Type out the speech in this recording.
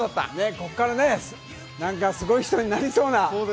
ここから、なんかすごい人になりそうな。